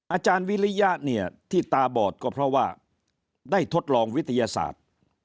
อาจารย์วิริยะเนี่ยที่ตาบอดก็เพราะว่าได้ทดลองวิทยาศาสตร์